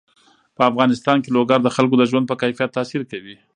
په افغانستان کې لوگر د خلکو د ژوند په کیفیت تاثیر کوي.